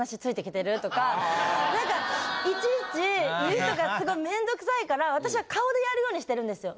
何かいちいち言う人がすごいめんどくさいから私は顔でやるようにしてるんですよ。